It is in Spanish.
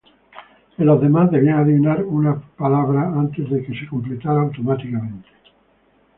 En los demás debían adivinar una palabra antes de que se completara automáticamente.